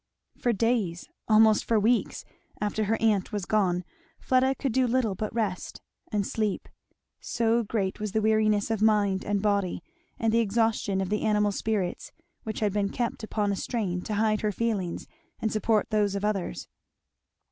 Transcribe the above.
For days, almost for weeks, after her aunt was gone Fleda could do little but rest and sleep; so great was the weariness of mind and body, and the exhaustion of the animal spirits, which had been kept upon a strain to hide her feelings and support those of others.